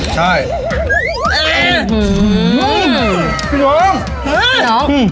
พี่น้อง